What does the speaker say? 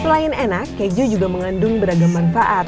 selain enak keju juga mengandung beragam manfaat